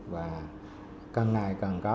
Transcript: và càng ngày càng có